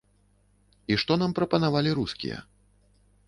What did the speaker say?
І што нам прапанавалі рускія?